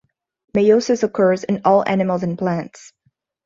Meiosis occurs in all animals and plants.